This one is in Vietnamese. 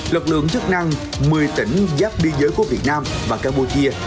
lực lượng chức năng một mươi tỉnh giáp biên giới của việt nam và campuchia